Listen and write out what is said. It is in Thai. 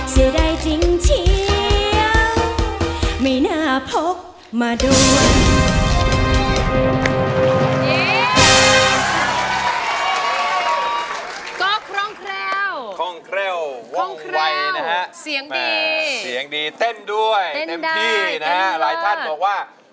เสียดายจริงเทียว